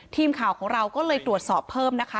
ทีมข่าวของเราก็เลยตรวจสอบเพิ่มนะคะ